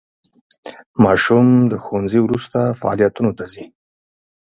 ماشوم د ښوونځي وروسته فعالیتونو ته ځي.